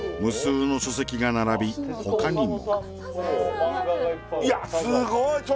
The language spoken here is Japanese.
無数の書籍が並び他にもいやすごい